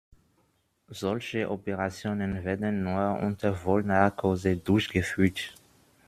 Solche Operationen werden nur unter Vollnarkose durchgeführt.